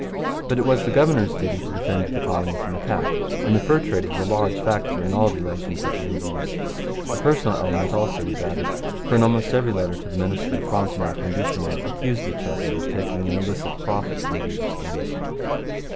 But it was the governor's duty to defend the colony from attack, and the fur trade was a large factor in all relations with the Indians. A personal element was also added, for in almost every letter to the minister Frontenac and Duchesneau accused each other of taking an illicit profit from beaver skins.